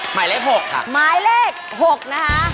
หมายเลข๖ค่ะหมายเลข๖นะคะ